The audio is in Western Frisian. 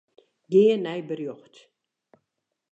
Gean nei berjocht.